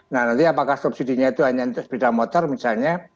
nah nanti apakah subsidinya itu hanya untuk sepeda motor misalnya